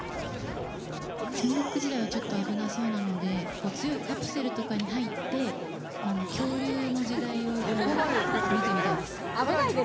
戦国時代はちょっと危なそうなので、強いカプセルとかに入って、恐竜の時代を見てみたいです。